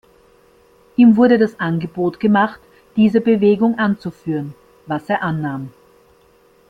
Ihm wurde das Angebot gemacht, diese Bewegung anzuführen, was er annahm.